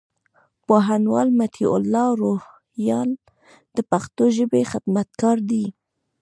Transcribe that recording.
پوهنوال مطيع الله روهيال د پښتو ژبي خدمتګار دئ.